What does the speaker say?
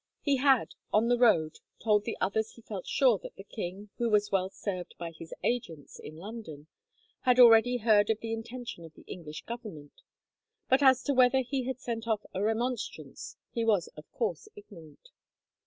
He had, on the road, told the others he felt sure that the king, who was well served by his agents in London, had already heard of the intention of the English Government, but as to whether he had sent off a remonstrance he was of course ignorant.